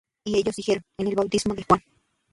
Y ellos dijeron: En el bautismo de Juan.